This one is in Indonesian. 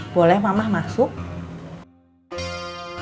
boleh mama masuk